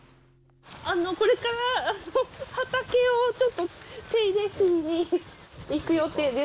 これから畑をちょっと手入れしにいく予定です。